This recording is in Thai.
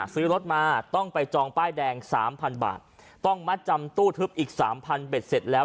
ซื้อรถมาต้องไปจองป้ายแดงสามพันบาทต้องมัดจำตู้ทึบอีกสามพันเบ็ดเสร็จแล้ว